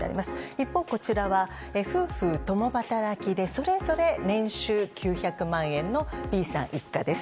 一方、こちらは夫婦共働きで、それぞれ年収９００万円のＢさん一家です。